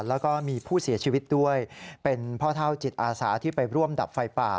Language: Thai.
แล้วก็มีผู้เสียชีวิตด้วยเป็นพ่อเท่าจิตอาสาที่ไปร่วมดับไฟป่า